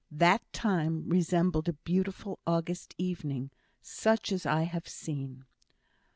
That time resembled a beautiful August evening, such as I have seen.